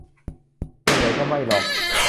ส่วนใหญ่ก็ไม่หรอก